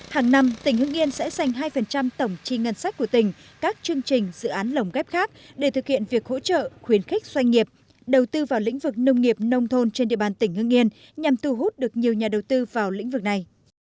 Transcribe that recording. hàng năm tỉnh hưng yên sẽ dành hai tổng chi ngân sách của tỉnh các chương trình dự án lồng ghép khác để thực hiện việc hỗ trợ khuyến khích doanh nghiệp đầu tư vào lĩnh vực nông nghiệp nông thôn trên địa bàn tỉnh hương yên nhằm thu hút được nhiều nhà đầu tư vào lĩnh vực này